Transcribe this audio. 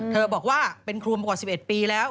บอกว่าเป็นครูมากว่า๑๑ปีแล้ว